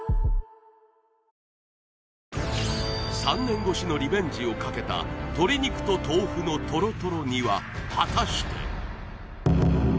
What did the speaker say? ３年越しのリベンジをかけた鶏肉と豆腐のトロトロ煮は果たして！？